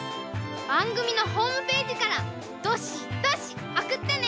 ばんぐみのホームページからドシドシおくってね！